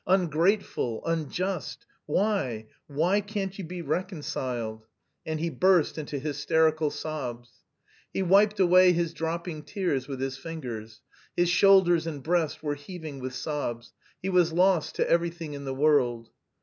Ungrateful... unjust.... Why, why can't you be reconciled!" And he burst into hysterical sobs. He wiped away his dropping tears with his fingers. His shoulders and breast were heaving with sobs. He was lost to everything in the world.